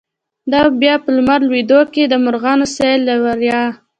“دا به بیا په لمر لویدو کی، د مرغانو سیل له ورایه